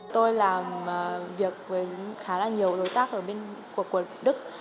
tôi làm việc với khá là nhiều đối tác ở bên của đức